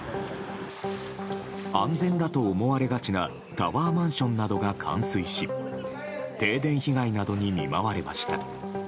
安全だと思われがちなタワーマンションなどが冠水し停電被害などに見舞われました。